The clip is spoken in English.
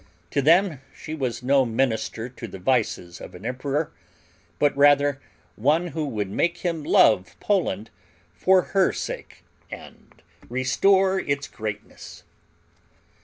To them she was no minister to the vices of an emperor, but rather one who would make him love Poland for her sake and restore its greatness.